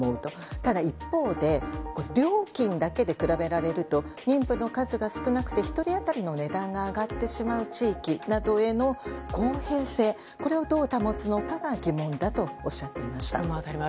ただ一方で料金だけで比べられると妊婦の数が少なくて１人当たりの値段が上がってしまう地域などへの公平性をどう保つかが疑問だとおっしゃっていました。